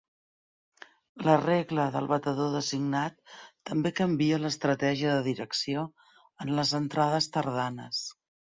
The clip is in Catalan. La regla del batedor designat també canvia l'estratègia de direcció en les entrades tardanes.